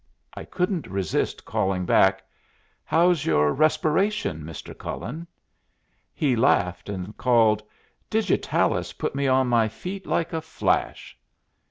I couldn't resist calling back, "How's your respiration, Mr. Cullen?" He laughed, and called, "Digitalis put me on my feet like a flash."